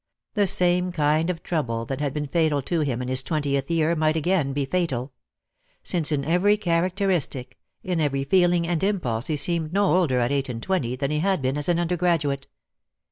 The same kind of trouble that had been fatal to him in his twentieth year might again be fatal; since in every characteristic, in every feeling and impulse he seemed no older at eight and twenty than he had been as an undergraduate.